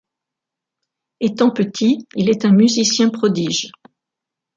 Étant petit, il est un musicien prodige.